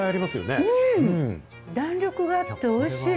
弾力があっておいしい。